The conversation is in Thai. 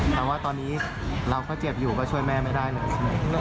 แต่ว่าตอนนี้เราก็เจ็บอยู่ก็ช่วยแม่ไม่ได้เลยใช่ไหม